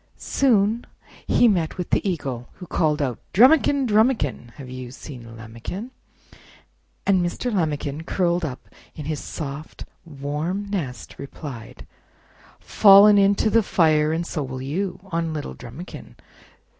Soon lie met with the Eagle, who called out: "Drumikin! Drumikin! Have you seen Lambikin?" And Mr. Lambikin, curled up in his soft warm nest, replied: "Fallen into the fire, and so will you On little Drumikin.